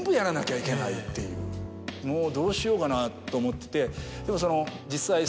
もうどうしようかなと思っててでも実際。